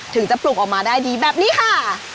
ถึงจะปลูกออกมาได้ดีแบบนี้ค่ะ